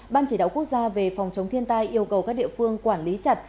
ban chỉ đạo quốc gia về phòng chống thiên tai yêu cầu các địa phương quản lý chặt